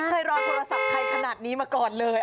เคยรอโทรศัพท์ใครขนาดนี้มาก่อนเลย